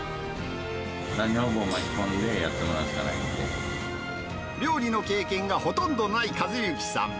女房巻き込んで、やってもら料理の経験がほとんどない和幸さん。